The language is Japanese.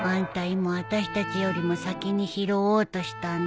今あたしたちよりも先に拾おうとしたね。